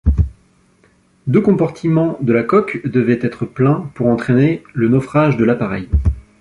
Deux compartiments de la coque devaient être pleins pour entraîner le naufrage de l'appareil.